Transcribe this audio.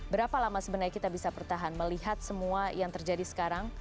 berapa lama sebenarnya kita bisa bertahan melihat semua yang terjadi sekarang